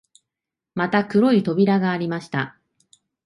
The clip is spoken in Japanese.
また黒い扉がありました